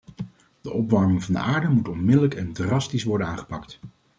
De opwarming van de aarde moet onmiddellijk en drastisch worden aangepakt.